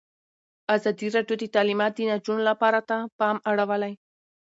ازادي راډیو د تعلیمات د نجونو لپاره ته پام اړولی.